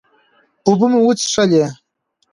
اوبۀ مې وڅښلې